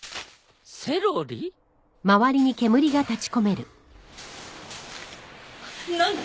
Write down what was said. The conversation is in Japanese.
セロリ？何だ！？